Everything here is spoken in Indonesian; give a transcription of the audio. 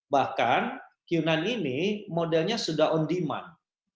bahkan q sembilan ini modelnya sudah on demand